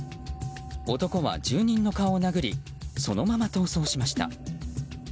男は住人の顔を殴りそのまま逃走しました。